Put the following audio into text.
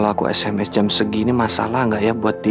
kalau aku sma jam segini masalah nggak ya buat dia